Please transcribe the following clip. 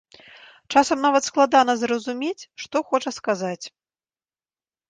Часам нават складана зразумець, што хоча сказаць.